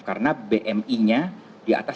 karena bmi nya di atas tiga puluh